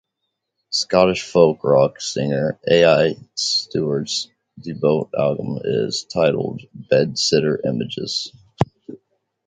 Scottish folk-rock singer Al Stewart's debut album is titled "Bedsitter Images".